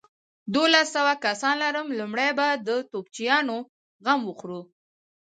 دوولس سوه کسان لرم، لومړۍ به د توپچيانو غم وخورو.